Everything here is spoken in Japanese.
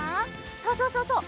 そうそうそうそう。